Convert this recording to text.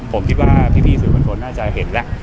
ผมคิดว่าพี่สื่อข้างคนจะเห็นแน่